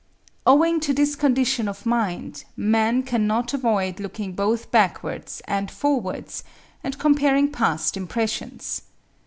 Owing to this condition of mind, man cannot avoid looking both backwards and forwards, and comparing past impressions.